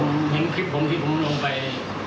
เห็นคลิปผมที่ผมลงไป